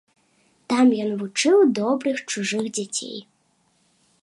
Там ён вучыў добрых чужых дзяцей.